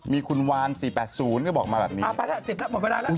มีคุณวาน๔๘๐ก็บอกมาแบบนี้ไปแล้ว๑๐แล้วหมดเวลาแล้ว